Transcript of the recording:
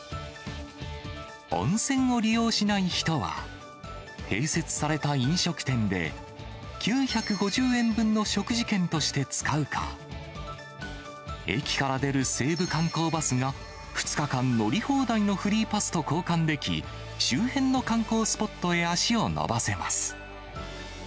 温泉を利用しない人は併設された飲食店で９５０円分の食事券として使うか、駅から出る西武観光バスが、２日間乗り放題のフリーパスと交換でき、周辺の観光スポットへ足を延ばせます。